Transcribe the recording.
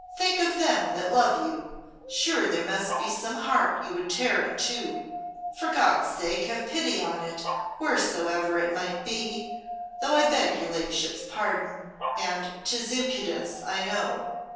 Think of them that love you. Sure there must be some heart you would tear in two. For God's sake have pity on it wheresoever it be, though I beg your ladyship's pardon, and 'tis impudence, I know.'"